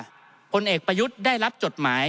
ท่านประธานครับนี่คือสิ่งที่สุดท้ายของท่านครับ